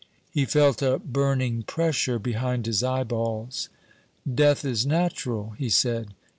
He felt a burning pressure behind his eyeballs. 'Death is natural,' he said.